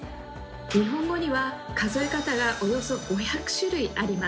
日本語には数え方がおよそ５００種類あります。